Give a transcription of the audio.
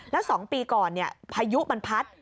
แล้ว๒ปีก่อนพายุมันพัด